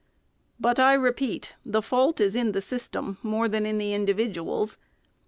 But, I repeat, the fault is in the system, more than in the individuals.